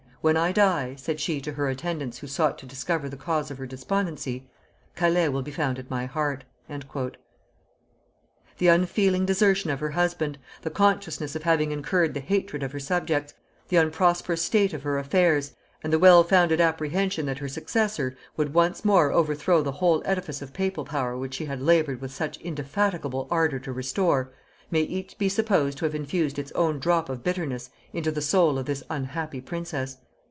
"When I die," said she to her attendants who sought to discover the cause of her despondency, "Calais will be found at my heart." The unfeeling desertion of her husband, the consciousness of having incurred the hatred of her subjects, the unprosperous state of her affairs, and the well founded apprehension that her successor would once more overthrow the whole edifice of papal power which she had labored with such indefatigable ardor to restore, may each be supposed to have infused its own drop of bitterness into the soul of this unhappy princess.